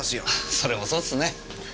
それもそうっすね。